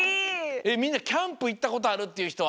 えっみんなキャンプいったことあるっていうひとは？